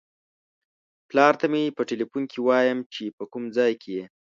پلار ته مې په ټیلیفون کې وایم چې په کوم ځای کې یې.